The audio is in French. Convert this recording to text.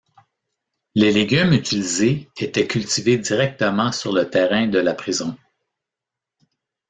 Les légumes utilisés étaient cultivés directement sur le terrain de la prison.